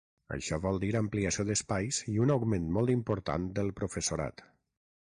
Això vol dir ampliació d’espais i un augment molt important del professorat.